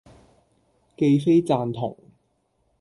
既非贊同，